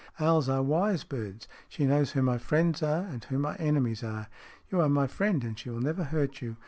" Owls are wise birds. She knows who my friends are, and who my enemies are. You are my friend, and she will never hurt you.